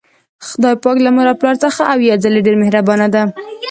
خدای پاک له مور او پلار څخه اویا ځلې ډیر مهربان ده